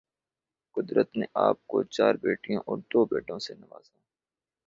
قدرت نے آپ کو چار بیٹوں اور دو بیٹیوں سے نوازا